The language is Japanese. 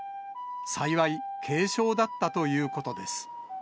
幸い、軽症だったということです。